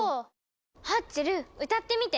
ハッチェル歌ってみて。